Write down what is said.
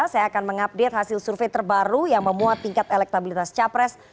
saya akan mengupdate hasil survei terbaru yang memuat tingkat elektabilitas capres